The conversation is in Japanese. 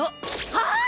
はあ！？